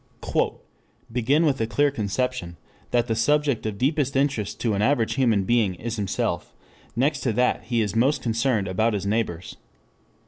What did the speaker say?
Begin with a clear conception that the subject of deepest interest to an average human being is himself; next to that he is most concerned about his neighbors.